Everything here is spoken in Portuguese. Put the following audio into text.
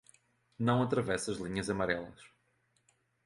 Não atravesse as linhas amarelas.